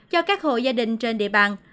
cho các hội gia đình trên địa bàn